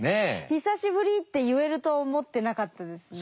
「久しぶり」って言えると思ってなかったですね。